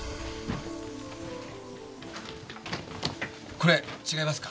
これ違いますか？